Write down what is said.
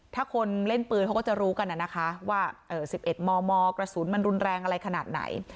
ถ้าคนเล่นปืนเขาก็จะรู้กันนะคะว่า๑๑มมกระสุนมันรุนแรงอะไรขนาดไหน